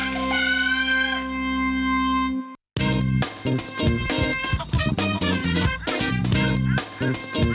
สวัสดีค่ะ